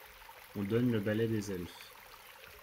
On donne le Ballet des Elfes.